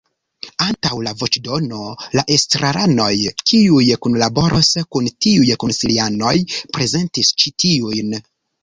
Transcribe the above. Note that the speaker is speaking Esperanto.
Antaŭ la voĉdono la estraranoj, kiuj kunlaboros kun tiuj konsilianoj, prezentis ĉi tiujn.